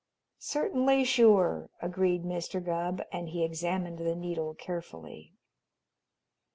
"Certainly sure," agreed Mr. Gubb, and he examined the needle carefully.